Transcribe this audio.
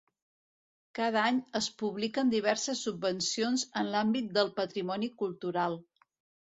Cada any es publiquen diverses subvencions en l'àmbit del patrimoni cultural.